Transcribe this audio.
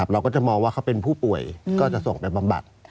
เราก็จะมองว่าเขาเป็นผู้ป่วยก็จะส่งไปบำบัด